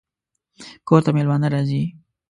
کور ته مېلمانه راځي